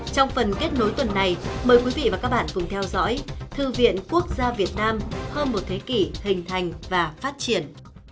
trong phần kết nối tuần này mời quý vị và các bạn cùng theo dõi thư viện quốc gia việt nam hơn một thế kỷ hình thành và phát triển